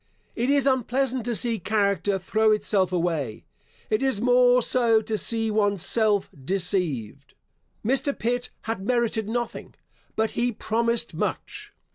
It is unpleasant to see character throw itself away. It is more so to see one's self deceived. Mr. Pitt had merited nothing, but he promised much.